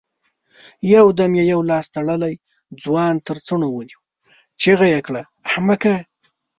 يودم يې يو لاس تړلی ځوان تر څڼو ونيو، چيغه يې کړه! احمقه!